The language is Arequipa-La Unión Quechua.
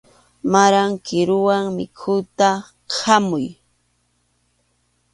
Maran kiruwan mikhuyta khamuy.